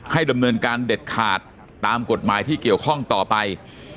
ดำเนินการเด็ดขาดตามกฎหมายที่เกี่ยวข้องต่อไป